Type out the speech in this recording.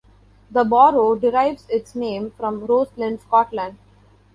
The borough derives its name from Roslin, Scotland.